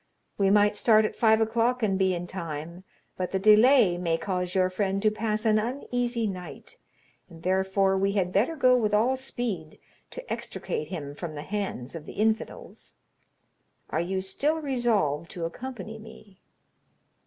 "We might start at five o'clock and be in time, but the delay may cause your friend to pass an uneasy night, and therefore we had better go with all speed to extricate him from the hands of the infidels. Are you still resolved to accompany me?"